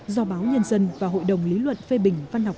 do báo nhân dân và hội đồng lý luận phê bình văn học